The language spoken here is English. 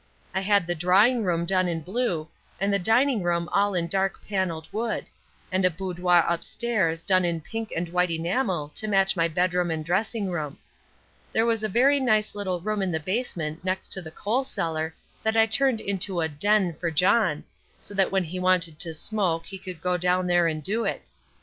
I had the drawing room done in blue, and the dining room all in dark panelled wood, and a boudoir upstairs done in pink and white enamel to match my bedroom and dressing room. There was a very nice little room in the basement next to the coal cellar that I turned into a "den" for John, so that when he wanted to smoke he could go down there and do it.